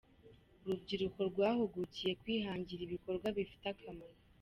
Urubyiruko rwahugukiye kwihangira ibikorwa bifite akamaro.